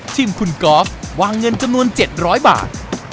ทีมคุณกอล์ฟวางเงินจำนวน๗๐๐บาท